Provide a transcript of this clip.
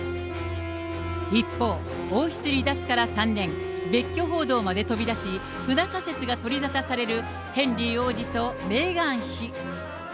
一方、王室離脱から３年、別居報道まで飛び出し、不仲説が取り沙汰されるヘンリー王子とメーガン妃。